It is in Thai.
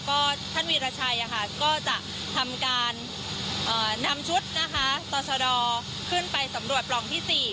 ก็ท่านวีรชัยก็จะทำการนำชุดนะคะต่อชะดอขึ้นไปสำรวจปล่องที่๔